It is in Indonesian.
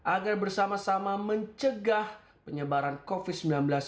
agar bersama sama mencegah penyebaran covid sembilan belas